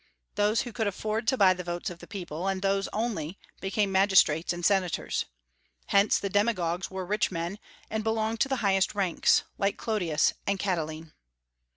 Those who could afford to buy the votes of the people, and those only, became magistrates and senators. Hence the demagogues were rich men and belonged to the highest ranks, like Clodius and Catiline.